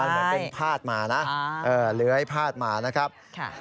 เหมือนเป็นพาดมานะเลื้อยพาดมานะครับ